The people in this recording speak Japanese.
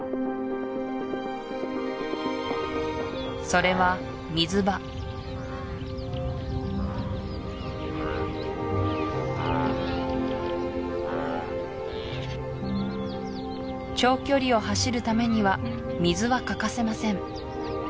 それは水場長距離を走るためには水は欠かせません